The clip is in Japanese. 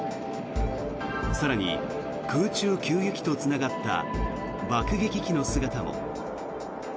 更に、空中給油機とつながった爆撃機の姿も。